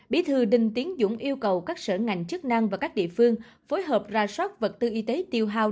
bí thư đinh tiến dũng yêu cầu các sở ngành chức năng và các địa phương phối hợp ra soát vật tư y tế tiêu hào